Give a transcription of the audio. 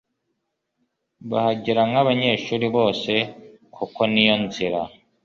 bahagera nk'abanyeshuri bose kuko niyo nzira